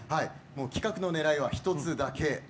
企画のねらいは１つだけ。